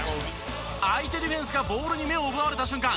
相手ディフェンスがボールに目を奪われた瞬間